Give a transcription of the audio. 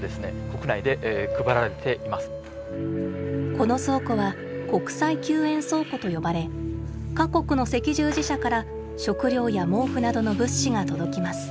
この倉庫は「国際救援倉庫」と呼ばれ各国の赤十字社から食料や毛布などの物資が届きます。